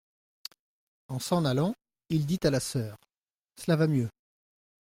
En s'en allant, il dit à la soeur : Cela va mieux.